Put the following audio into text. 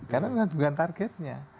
karena itu juga targetnya